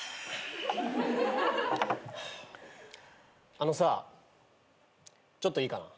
あのさちょっといいかな。